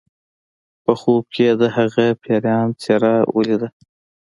په خوب کې یې د هغه پیریان څیره ولیده